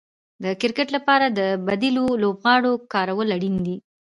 د کرکټ لپاره د بديلو لوبغاړو کارول اړين دي.